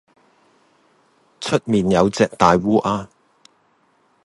出面有只大鴉烏